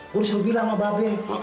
gue disuruh bilang sama babi